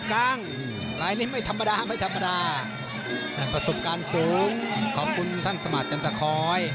รายนี้ไม่ธรรมดาประสุทธิ์การสูงขอบคุณท่านสมาธิ์จันทราคอย